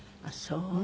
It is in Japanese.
あっそう。